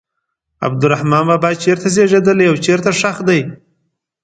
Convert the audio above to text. عبدالرحمان بابا چېرته زیږېدلی او چیرې ښخ دی.